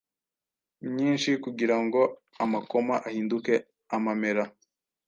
myinshi kugira ngo amakoma ahinduke amamera: